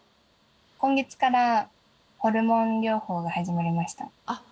今月からホルモン療法が始まりましたあっ